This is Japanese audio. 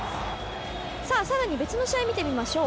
更に別の試合を見てみましょう。